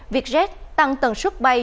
việc rét tăng tầng suất bay